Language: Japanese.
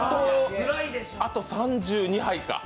あと３２杯か。